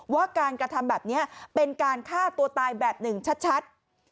ว่าการกระทำแบบนี้เป็นการฆ่าตัวตายแบบหนึ่งชัด